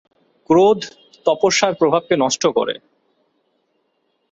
ক্রোধ তপস্যার প্রভাবকে নষ্ট করে।